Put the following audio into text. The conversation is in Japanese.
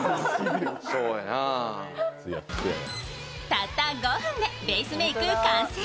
たった５分でベースメーク完成。